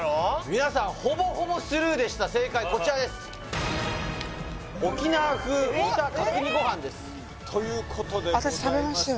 皆さんほぼほぼスルーでした正解こちらですということでございました